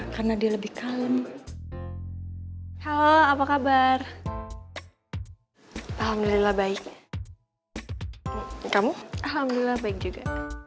karena dia lebih kalem halo apa kabar alhamdulillah baik kamu alhamdulillah baik juga